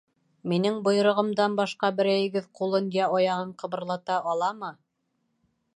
— Минең бойороғомдан башҡа берәйегеҙ ҡулын йә аяғын ҡыбырлата аламы?